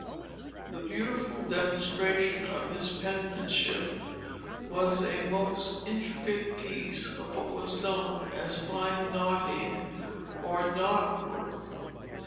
This "beautiful demonstration" of his penmanship was a most intricate piece of what was known as fine knotting, or knotwork.